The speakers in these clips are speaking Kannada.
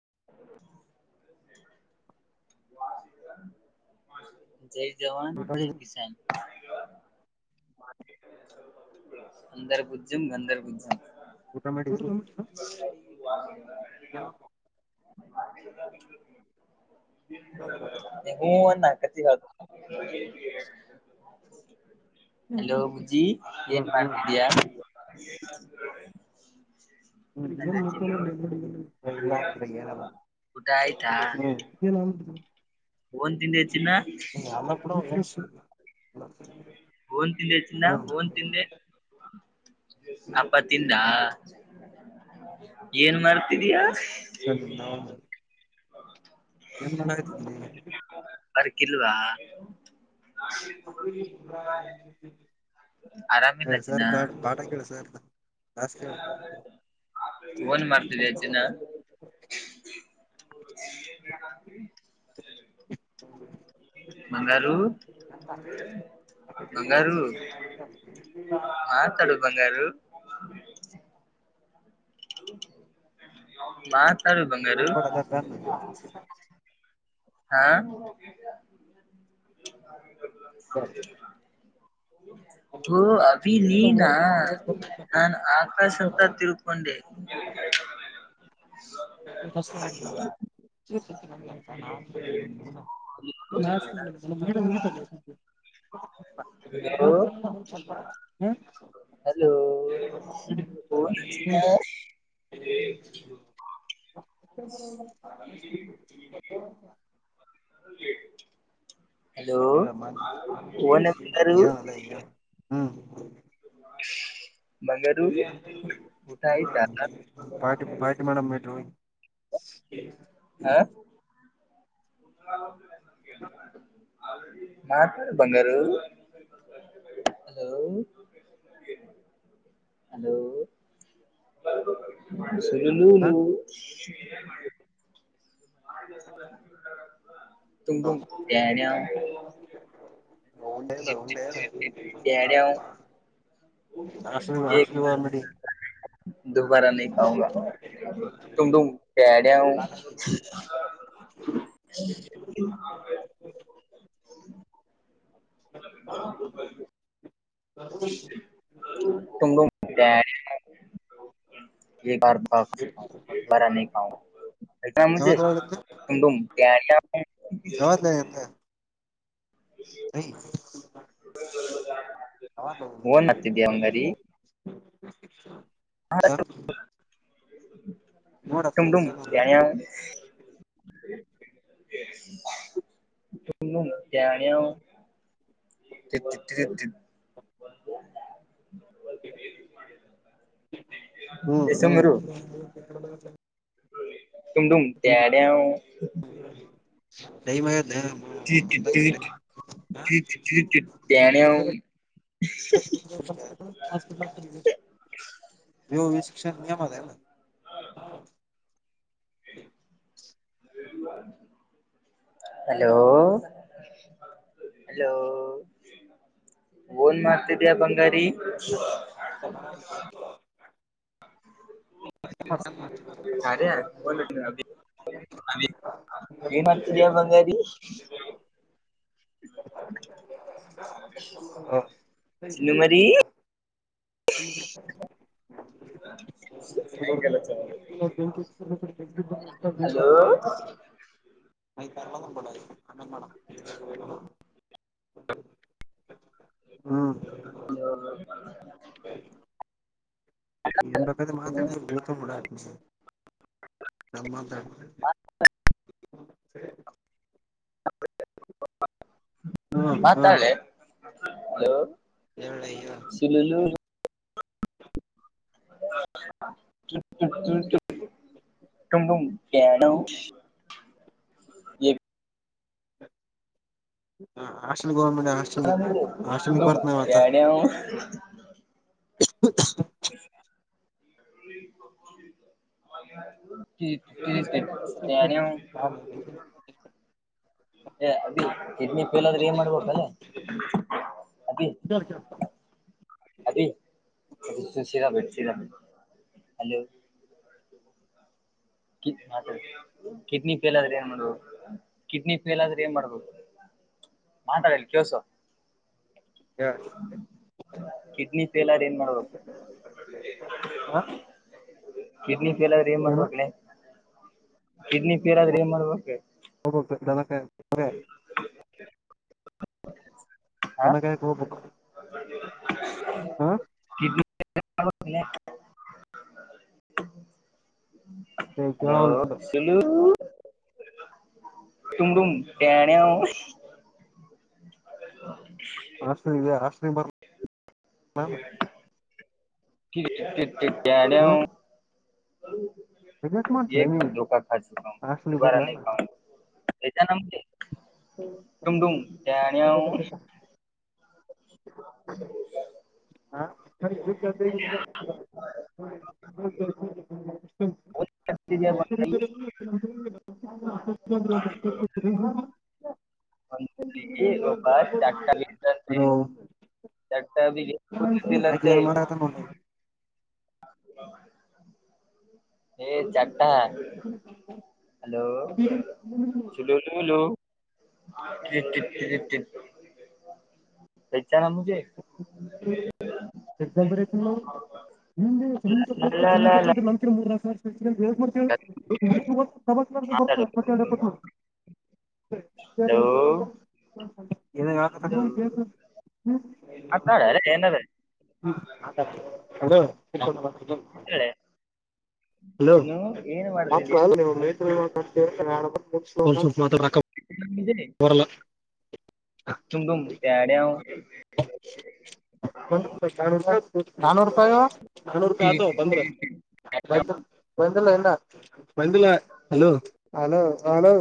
[inaudible] ಜೈ ಜವಾನ ಜಾಯ್ ಕಿಸನ್ ಅಂದರ್ಭುಜಜಂ್ ಗಧರ್ಭುಜಜಂ ಊಟ ಮಾಡಿ ಇರು ಹ್ಮ್ ಅಂದ ಅಗತ್ಯ್ವಾಗ್ ಹಲೋ ಬುಜ್ಜಿ ಏನ್ ಮಾಡ್ತಿದ್ದೀಯಾ ಹಲೋ ಚಿನ್ನ ಏನ್ ಮಾಡ್ತಾ [unintelligible] ಊಟ [unintelligible] ಹ್ಮ್ ಒನ್ ತಿಂದೆ ಚಿನ್ನ ಓನ್ ತಿಂದೆ ಚಿನ್ನ ಓನ್ ತಿಂದೆ ಅಪ್ಪ ತಿಂದ ಏನ್ ಮಾಡಾರ್ತಿದಿಯಾ ಥೋ ನಿನ್ನನೌನು ಹೌ ಏನ್ ಮಾಡಕ್ಕತ್ತಿಯೆ ಬರ್ಕಿಲ್ವಾ- ಅಪ್ಲಿಕೇಶನ್ ಇವಾಗ ಹಾಕಿನಿ ಆರಾಮಿಲ್ಲ ಹ ಚಿನ್ನ ಸರ್ದ ಪಾಠ ಕೇಳ ಸರ್ದ ಓನ್ ಮಾಡ್ತಾ ಇದ್ದೀಯಾ ಚಿನ್ನ [unintelligible] [inaudible] ಹ ಬಂಗಾರು ಬಂಗಾರು ಮಾತಾಡ ಬಂಗಾರು ಮಾತಾರು ಬಂಗಾರು ಹಾ ಹ ಅಭಿ ನೀನಾ ನಾನನ್ ಆಕಾಶ ಅಂತ ತಿಳ್ಕೊಂಡೆ ಚ ಹ ಹಲೋ ಹ್ಮ್ ಹಲೋ ಹಲೋ ಹ ನ್ಲ್ಲ ಓನ ಬಂಗಾರು ಹ್ಮ್ ಬಂಗಾರು ಊಟ ಆಯ್ತಾ ಪ್ಟಿ ಪಟಿ ಮೇಡಮ ಮಟ ಹ ಮಾತ ಬಂಗಾರು ಹಲೋ ಹಲೋ ಸ ಮಾಡ ಆ ಹ ಹಂಡೇದ ಜಿಪ್ ಜಿಪ್ ಹಂಡದ ಜಿಪ್ ಜಿಪ್ ಡ್ಯಾಡ್ಯಾವ್ ಆಸಲ ಆಸಲ ಆಲ್ರೆಡಿ ದುಬಾರಾ ನೀ ಕಾಂಗಾ ತುು ಇವು [unintelligible] [inaudible] ಹ ತುಮಂಬ ಬ ಬ ಸಿ ಬಾರಾತ ಮು ತು ತು ಶವತ ನ ಅಂತ ಸ ಹಾಗ ಇಲ ಟುಮ ಟುಮ ಯ ತು ನ ಬಿಟ್ಟಟ್ಟ ಹ್ಮ್ ಹ್ಮ್ ಸುಮ್ನಿರು ತುಮದುು ತಡೆ ಮ ಚ ಚ ಚ ಚ ಚನ ಹಪಿಟ ನೀವು ವಿ ಶಿಕ್ಷಣ ನಿಯಮತ್ ಹ ಹಲೋ ಹಲೋ ಓನ್ ಮಾಡ್ತಿದಯ ಬಂಗಾರಿ [unintelligible] ಅರೆ ಯಾರ ಬ ಅ ಏನು ಮಾಡತರಿಯ ಬಂಗಾರಿ ಚನ್ನುಮರಿ ಹ ಆಯಕಲ್ಲ ಚ ಬ ಹಲೋ ಮೈತರಳ ನಂಬಳ ಅಮ್ಮ ಮಾಡಡ ಹ ಹ ಎನ್ ಬಗ್ದ ಮಾತಾಡ್ ಗತಡ ಆ ನಮ್ಮ ಹ್ಮ್ ಹ್ಮ್ ಮಾತಾಡೆ ಹಲೋ ಹೇಳಳಾ ಟಟ ಟುಮ ಹ ಈ ಹ ಹಾಸ್ಟೆಲ್ ಗವರ್ಮೆಂಟ್ ಹಾಸ್ಟೆಲ್ ಹಾಸ್ಟೆಲ್ ಪಡ್ತ್ನ ಮತ್ತ [unintelligible] ಕ ಕ ಹ ಅಭ ಎಡ್ನಿ ಪಲಾದ್ರೆ ಏನ್ ಮಾಡ್ಬೇಕ ಅಲ್ಲ ಅದ ಅ ಅ ಸಶಗ ಭಗ ಹಲೋ ತ ಕಿಡ್ನಿ ಫೇಲ್ ಆದ್ರೆ ಏನ್ ಮಾಡ್ಬ ಕಿಡ್ನಿ ಫೇಲ್ ಆದ್ರೆ ಏನ್ ಮಾಡ್ಬೇಕು [unintelligible] ಮಾಂತಲ್ಲಿ ಕವಸ ಕಿಡ್ನ ಪೆಲ ರೈನ್ ಮಾಡೋ ಹಾ ಕಿಡ್ನಿಫೇಲ್ ಆದಾದ್ರೆ ಮರಬೇಕ ಕಡ್ನಿಫೇಲ್ ಆದಾದ್ರೆ ಮರಬೇಕ ಹ ಹ [unintelligible] ಹಲೋ ಚಲ ತುಮ ರಮ ಣವು ಹ [inaudible] ಹಾಸ ಹಾಸ ಬ ಬ ಕಾರ ಹ ಯ ಧೋಕಾ ಕಾ ಚುಕಾ ಹಂ ದದುಬಾರಾ ನೀ ಕಾ ನ ತುಮಟುಮ ಹ [unintelligible] ಕ [unintelligible] ಒ [inaudible] [unintelligible] ಎಾರುಷುದಿಲ್ಲಂತೆ ಹೇ ಚಾರಟ ಹ ಹಲೋ [unintelligible] ಜ [inaudible] ಎ ಬರ ನಿಮ ಲ ಲ ಲ ಚದ ಲ. ನ ಮೂಲ ಸರ್ ಮಾತಾಡು ಬ ಹಲೋ ಹಲೋ ಮಾತಾಡ ಏನಾರ ಹ್ಮ ಅ ಇ ಹಲೋ ಮೈ ಗೇ ಬರಲ ತುಮ ತುಮ ತಡೆ ಹ ನಾನೂರು ರೂಪಾಯ ನಾನೂರು ರೂಪಾಯಿ ಆತ ಟಿಟ್ ಪ್ರ ಬ ಬಂದುಲ ಬ ಹಲೋ ಹಲೋ ಹಲೋ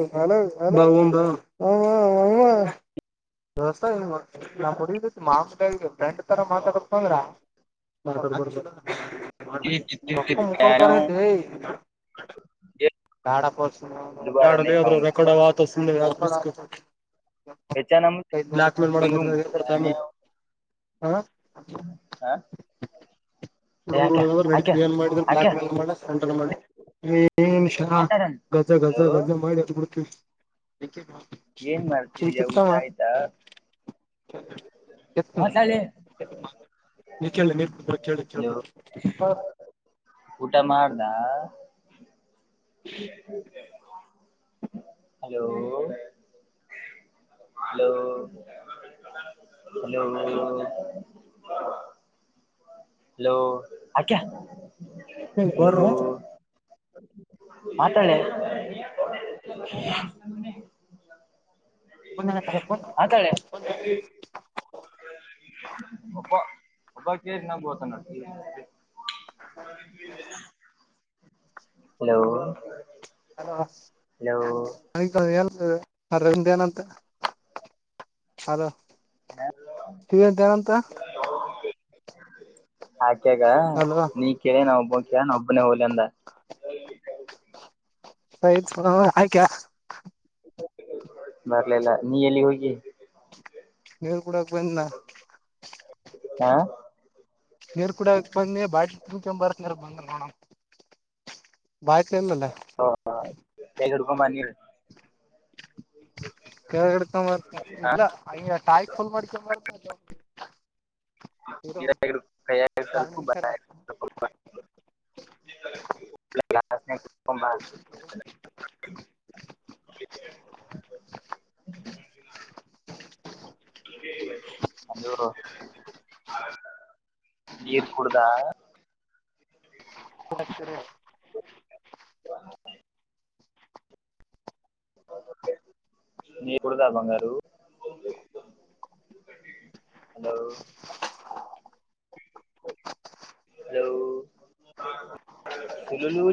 ವವಡತಿ ಮಾಮ ಡ್ ತರ ಮಾತಾಡ ಅಂದ್ರ ಟಿಟ್ ಟಿಟ್ ರಕ್ ಟಿಟ್ ಮುಕಳಕ ಡ್ಯಾಡ್ಯಾವ್ ಹೇಳ ಏ ದುಬಾರ ಗ ನೈ ರೆತ ಇ ಅಲ್ಪ ವ್ಯಚ್ಚಾನ ಬ್ಲ್ಯಾಕ್ ಮೇಲ್ ಮಾಡ ರ್ಡ್ತಾ ಆಮೇಲೆ ಹ ಹಾ ಯಾಕೆ ನ ನಡ ಯಾಕೆ ಏನ್ ಮಾಡಿದ ಬ್ಲಾಕ್ ಯಾಕೆ ಮೇಲ್ ಮಾಡಂಟ ಮಾಡಿ ಏನ್ ಶ ಮಾತಾಡನ್ ಗಜ ಹಲೋ ಗಜ ಗಜ ಮಡ್ತ ಏನ್ ಮಾಡ್ತಿದಯ ಊಟ ಆಯ್ತಾ ಮಾತಾಡಿ ನೀ ಕೇಳಿ ನೀ ಕೇಳಿ ಕೇಳ ಹಲೋ ಊಟ ಮಾಡ್ದ ಹಲೋ ಹಲೋ ಇಲ್ಲ ಒ ಹಲೋ ಆಕ್ಯಾ ಹ ಬರ ಮಾತಾಡ ಹತಳೆ ಒಬ್ಬಾ ಬಬ್ಬಾ ಕ ನ ಗತ ನ ಹಲೋ ಹಲೋ ಅರವಿಂದ ನ ಅಂತ ಅದು ್ಣ ಗ ನೀ ಕೇಳಿ ನಾವ ಒಬ್ಬ ಕ ನ ಒಬ್ಬನೇ ಹೋಲಿ ಅಂದ ಆಯ್ತ ಆಕ ಬರ್ಲಲ್ಲ ನೀ ಎಲ್ಲಿ ಹೋಗಿ ನೀರು ಕೂಡಕ ಬಂದನಾ ಹಾ ನೀರ್ ಕೂಡಕ್ ಬಂದಿ ಬಾ ತಿಕೊ ಬರತ್ ನೀರ್ ಬಂದ ನೋಡ ಬಾಯಕ್ನ್ನಲ್ಲ ರಮಾನಿ ಕೆಗಡ್ಕೊಂಬರ್ತ ಹ ಇಲ್ಲಯ ಟಾಯಕ್ ಫುಲ್ ಮಾಡ್ಕೊಂಡ ಬರ್ತ ಹರ ನೀರ ಕೈಯಾಗ ರಾಣ ಸ್ವಲ್ಪ ಸರ ಗ [unintelligible] [inaudible] ಇರು ನೀರು ಕುಡದಾ ರಿ [unintelligible] ನೀ ಕೊಡದಾ ಬಂಗಾರ ಹಲೋ [unintelligible] ಲ ಹಲೋ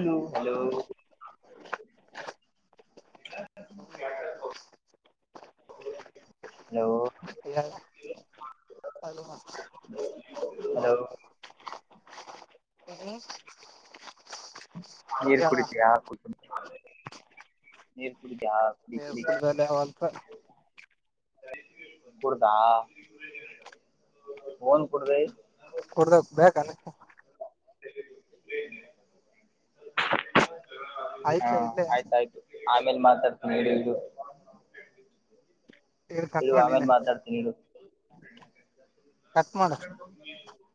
ಹ [inaudible] ಹಲೋ ಹಲೋ ನೀರ್ ಕುಡಿತಿ ಯಾ ಕು ನೀರ್ ಕುಡಿತ ಯಾ ಡ್ಾವ ಅಂತ [unintelligible] ನೇರ್ ಕುಡದಾ ನ್ ಕುಡ್ದ ಕುಡದ ಬನ ಆಯಕ್ಲ ಇಡ್ಲ [unintelligible] ಆಮೇಲೆ ಮಾತಾಡ್ತೀನಿ ಹೇಳದು ಇರು ಆಮೇಲೆ ಮಾತಾಡ್ತೀನಿ ಇ ಆ [unintelligible]